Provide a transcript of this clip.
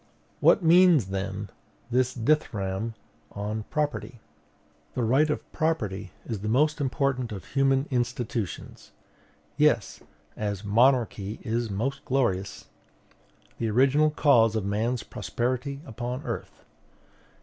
What means, then, this dithyramb upon property? "The right of property is the most important of human institutions."... Yes; as monarchy is the most glorious. "The original cause of man's prosperity upon earth."